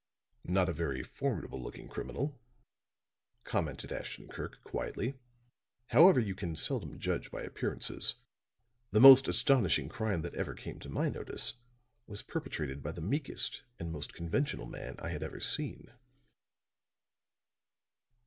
"Not a very formidable looking criminal," commented Ashton Kirk, quietly. "However, you can seldom judge by appearances. The most astonishing crime that ever came to my notice was perpetrated by the meekest and most conventional man I had ever seen."